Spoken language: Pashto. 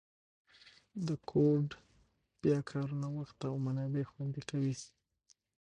د کوډ بیا کارونه وخت او منابع خوندي کوي.